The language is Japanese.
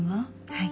はい！